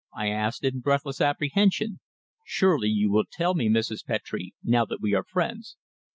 I asked in breathless apprehension. "Surely you will tell me, Mrs. Petre, now that we are friends."